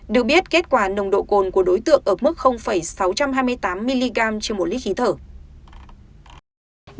được biết kết quả nồng độ cồn của đối tượng